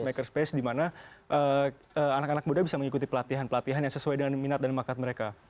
makerspace dimana anak anak muda bisa mengikuti pelatihan pelatihan yang sesuai dengan minat dan makat mereka